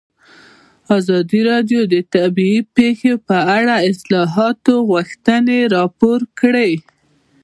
ازادي راډیو د طبیعي پېښې په اړه د اصلاحاتو غوښتنې راپور کړې.